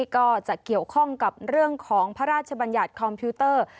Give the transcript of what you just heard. ก็จะเกี่ยวข้องกับเรื่องของพระราชบัญญัติคอมพิวเตอร์